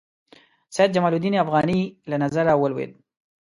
سید جمال الدین افغاني له نظره ولوېد.